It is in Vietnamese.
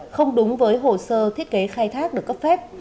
không đúng với hồ sơ thiết kế khai thác được cấp phép